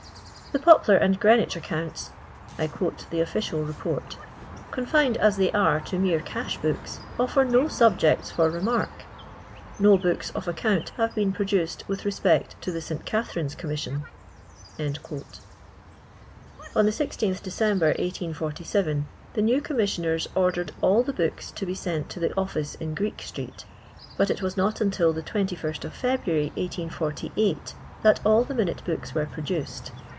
" The Poplar and Greenwich accounts (I quote the official Keport), confined as they are to mere cash books, offer no subjects for remark »." No books of account have been produced with respect to the St Katkerines Commission." On the I6th December, 1847, the new 0«i missioners ordered all the books to be sent to the office in Greek street; but it was not until the 21st February, 1848, that all the roinute bookf were produced.